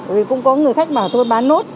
vì cũng có người khách bảo thôi bán nốt